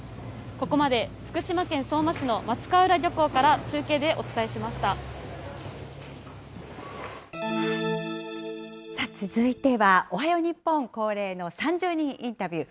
ここまで福島県相馬市の松川浦漁続いては、おはよう日本恒例の３０人インタビュー。